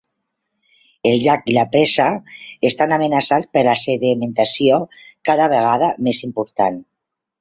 El llac i la presa estan amenaçats per la sedimentació cada vegada més important.